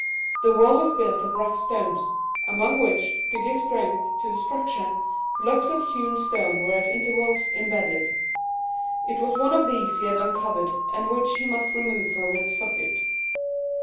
The wall was built of rough stones, among which, to give strength to the structure, blocks of hewn stone were at intervals imbedded. It was one of these he had uncovered, and which he must remove from its socket.